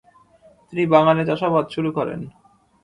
তিনি বাগানে চাষাবাদ শুরু করেন।